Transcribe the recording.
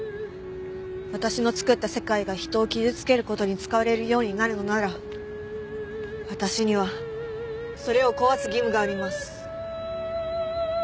私の作った世界が人を傷つける事に使われるようになるのなら私にはそれを壊す義務があります。